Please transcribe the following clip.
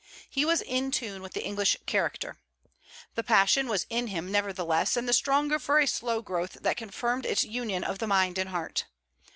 He was in tune with the English character. The passion was in him nevertheless, and the stronger for a slow growth that confirmed its union of the mind and heart.